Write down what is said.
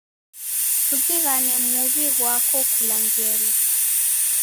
Kuzighane muw'i ghwako kula ngelo.